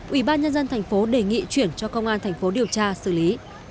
ủy ban nhân dân thành phố đề nghị chuyển cho công an thành phố điều tra xử lý